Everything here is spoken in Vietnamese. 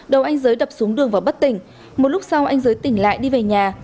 đầu anh giới đập xuống đường và bất tỉnh một lúc sau anh giới tỉnh lại đi về nhà